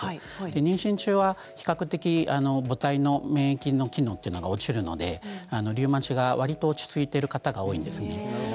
妊娠中は比較的母体の免疫の機能というが落ちるのでリウマチが、わりと落ち着いている方が多いです。